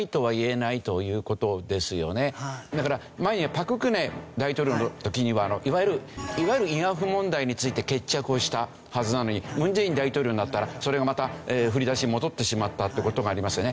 だから前に朴槿恵大統領の時にはいわゆる慰安婦問題について決着をしたはずなのに文在寅大統領になったらそれがまた振り出しに戻ってしまったっていう事がありますよね。